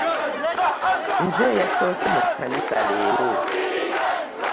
Nze eyasose mukanisa leero.